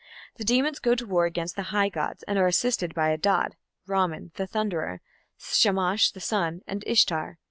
The demons go to war against the high gods, and are assisted by Adad (Ramman) the thunderer, Shamash the sun, and Ishtar.